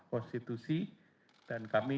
konstitusi dan kami